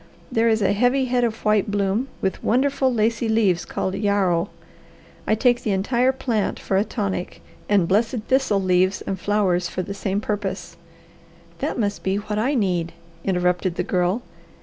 There is a heavy head of white bloom with wonderful lacy leaves, called yarrow. I take the entire plant for a tonic and blessed thistle leaves and flowers for the same purpose." "That must be what I need," interrupted the Girl.